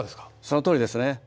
そのとおりですね。